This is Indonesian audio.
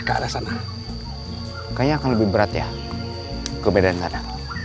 kayaknya akan lebih berat ya ke bedan sana